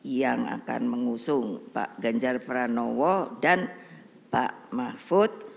yang akan mengusung pak ganjar pranowo dan pak mahfud